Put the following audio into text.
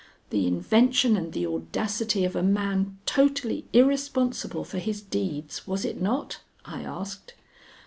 the invention and the audacity of a man totally irresponsible for his deeds, was it not?" I asked.